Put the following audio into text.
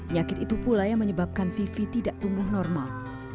nyakit itu pula yang menyebabkan vivi tidak tumbuh normal